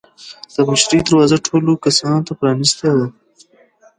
د مشرۍ دروازه ټولو وړو کسانو ته پرانیستې وه.